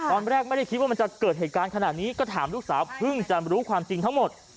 ตอนแรกไม่ได้คิดว่ามันจะเกิดเหตุการณ์ขนาดนี้ก็ถามลูกสาวเพิ่งจะรู้ความจริงทั้งหมด